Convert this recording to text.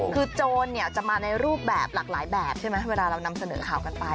คือโจรจะมาในรูปแบบหลากหลายแบบใช่ไหมเวลาเรานำเสนอข่าวกันไป